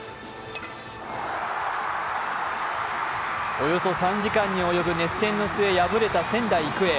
およそ３時間におよぶ熱戦の末に敗れた仙台育英。